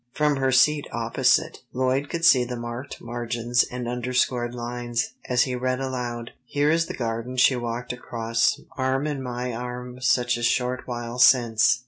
From her seat opposite, Lloyd could see the marked margins and underscored lines, as he read aloud: "'Here is the garden she walked across Arm in my arm such a short while since.